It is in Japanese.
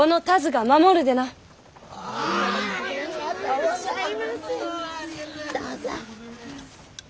どうぞ。